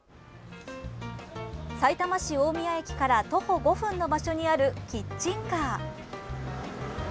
さいたま市、大宮駅から徒歩５分の場所にあるキッチンカー。